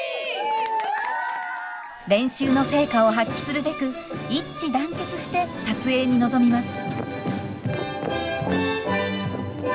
練習の成果を発揮するべく一致団結して撮影に臨みます。